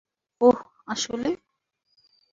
ওহ, আসলেই।